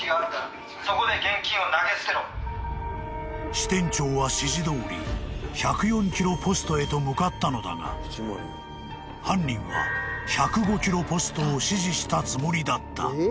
［支店長は指示どおり１０４キロポストへと向かったのだが犯人は１０５キロポストを指示したつもりだった］